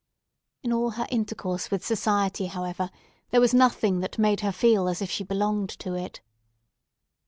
In all her intercourse with society, however, there was nothing that made her feel as if she belonged to it.